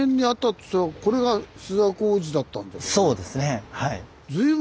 そうですねはい。